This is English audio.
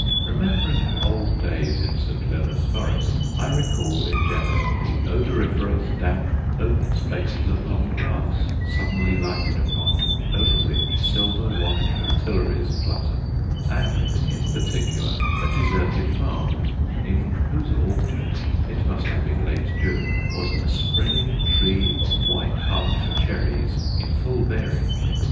Remembering old days in St. Leonard's Forest, I recall, in general, the odoriferous damp open spaces of long grass, suddenly lighted upon, over which silver washed fritillaries flutter; and, in particular, a deserted farm, in whose orchard (it must have been late June) was a spreading tree of white heart cherries in full bearing.